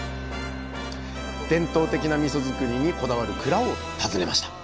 伝統的なみそづくりにこだわる蔵を訪ねました